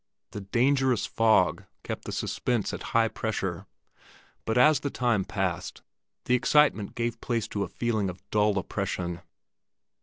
The dangerous fog kept the suspense at high pressure; but as the time passed, the excitement gave place to a feeling of dull oppression.